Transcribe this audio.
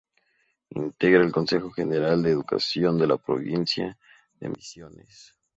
Integra el Consejo General de Educación de la Provincia de Misiones.